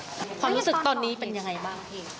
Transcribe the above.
อเจมส์ความรู้สึกตอนนี้เป็นยังไงบ้าง